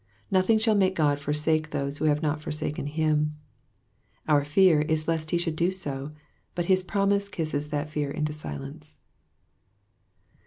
Nothing shall make God forsake those who have not forsaken him. Our fear is lest he should do so ; b»it his promise kisses that fear into silence.